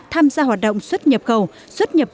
tham gia hoạt động xuất nhập khẩu xuất nhập